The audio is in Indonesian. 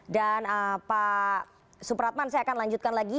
dan pak supratman saya akan lanjutkan lagi